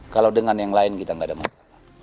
kalau dengan yang lain kita nggak ada masalah